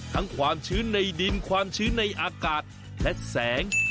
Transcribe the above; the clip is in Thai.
ความชื้นในดินความชื้นในอากาศและแสง